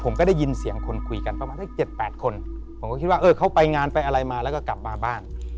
ได้ยินเสียงคนคุยกันประมาณสัก๗๘คนผมก็คิดว่าเออเขาไปงานไปอะไรมาแล้วก็กลับมาบ้าน